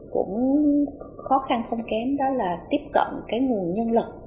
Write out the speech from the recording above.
cũng khó khăn không kém đó là tiếp cận cái nguồn nhân lực